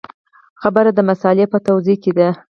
خبره د مسألې په توضیح کې ده.